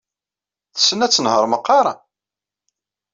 Tessen ad tenheṛ meqqar?